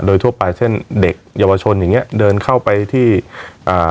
โดยทั่วไปเช่นเด็กเยาวชนอย่างเงี้ยเดินเข้าไปที่อ่า